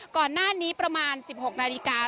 ก่อนหน้านี้ประมาณ๑๖นาฬิกา